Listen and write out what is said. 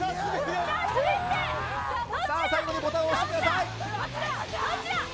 最後にボタンを押してください。